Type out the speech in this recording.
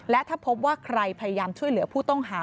และถ้าพบว่าใครพยายามช่วยเหลือผู้ต้องหา